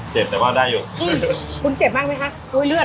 เจ็บแต่ว่าได้อยู่